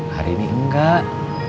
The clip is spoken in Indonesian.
hari ini enggak